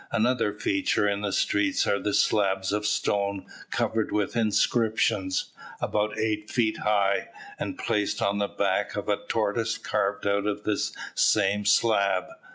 Another feature in the streets are the slabs of stone covered with inscriptions, about eight feet high, and placed on the back of a tortoise carved out of the same slab.